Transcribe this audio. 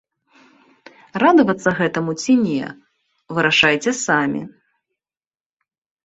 Радавацца гэтаму ці не, вырашайце самі.